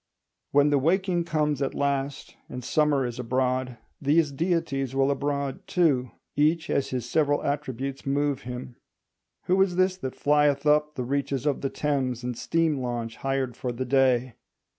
When the waking comes at last, and Summer is abroad, these deities will abroad too, each as his several attributes move him. Who is this that flieth up the reaches of the Thames in steam launch hired for the day?